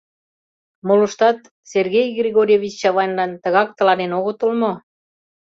Молыштат Сергей Григорьевич Чавайнлан тыгак тыланен огытыл мо?